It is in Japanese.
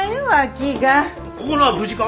ここのは無事か？